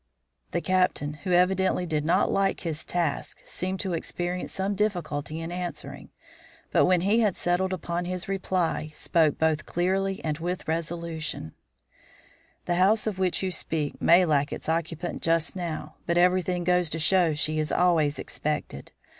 The Captain, who evidently did not like his task, seemed to experience some difficulty in answering; but when he had settled upon his reply, spoke both clearly and with resolution: "The house of which you speak may lack its occupant just now, but everything goes to show she is always expected.